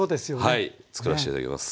はい作らして頂きます。